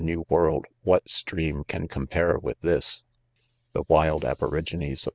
W' world, ;■ what stream can compare with this'l: .The wild aborigines of